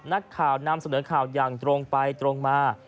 นักข่าวนำเสนอข่าวอย่างตรงไปตรงมา